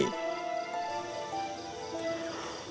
tidak ada apa apa lagi